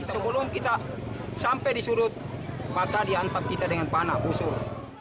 sebelum kita sampai di sudut maka diantap kita dengan panah busur